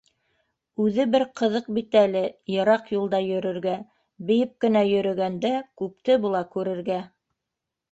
Үҙе бер ҡыҙыҡ бит әле йыраҡ юлда йөрөргә, Бейеп кенә йөрөгәндә күпте була күрергә.